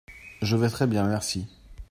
Je vais très bien, merci.